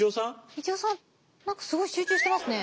一葉さん何かすごい集中してますね。